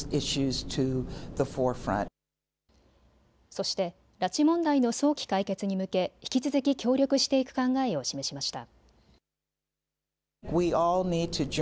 そして拉致問題の早期解決に向け引き続き協力していく考えを示しました。